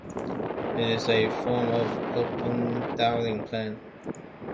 It is a form of open dialling plan.